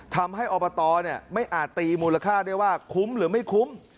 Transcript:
ทำให้อบตไม่อาจตีมูลค่าได้ว่าคุ้มหรือไม่คุ้ม